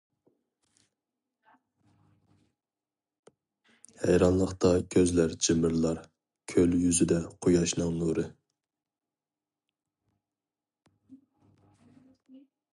ھەيرانلىقتا كۆزلەر جىمىرلار كۆل يۈزىدە قۇياشنىڭ نۇرى.